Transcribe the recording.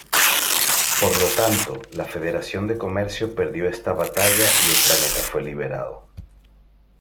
Por tanto, la Federación de Comercio perdió esta batalla y el planeta fue liberado.